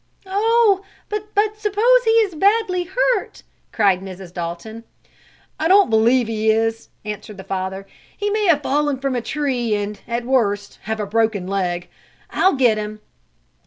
"Oh, but but suppose he is badly hurt!" cried Mrs. Dalton. "I don't believe he is," answered the father. "He may have fallen from a tree, and, at worst, have broken a leg. I'll get him!"